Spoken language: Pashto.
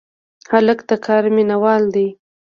هلک د کار مینه وال دی.